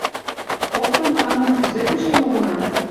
Коктын таҥым кузе кучен улына?